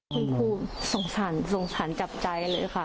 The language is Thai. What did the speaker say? คุณครูสงสารสงสารจับใจเลยค่ะ